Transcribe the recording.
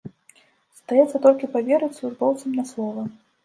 Застаецца толькі паверыць службоўцам на слова.